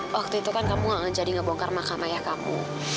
waktu itu kan kamu jadi ngebongkar makam ayah kamu